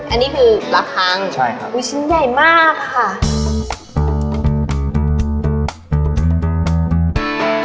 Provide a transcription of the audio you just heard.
อันนี้คือปลาคังชิ้นใหญ่มากค่ะใช่ครับ